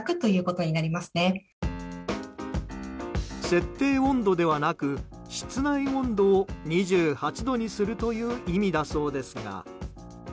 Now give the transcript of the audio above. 設定温度ではなく室内温度も２８度にするという意味だそうですが。